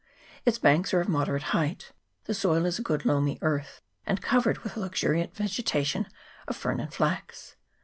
Its banks are of moderate height : the soil is a good loamy earth, and covered with a luxuriant vegeta tion of fern and flax.